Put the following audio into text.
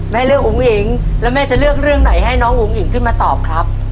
เลือกอุ้งอิ๋งแล้วแม่จะเลือกเรื่องไหนให้น้องอุ๋งอิ๋งขึ้นมาตอบครับ